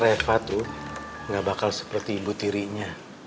reva tuh gak bakal seperti ibu tirinya